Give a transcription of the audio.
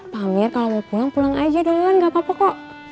pamir kalau mau pulang pulang aja duluan gak apa apa kok